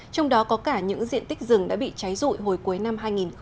trong đó có cả những diện tích rừng đã bị cháy rụi hồi cuối năm hai nghìn một mươi chín